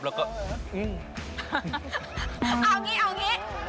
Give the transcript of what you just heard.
เอาอย่างงี้